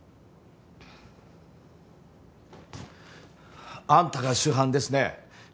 うんあんたが主犯ですね？